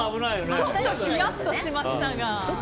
ちょっとヒヤッとしましたが。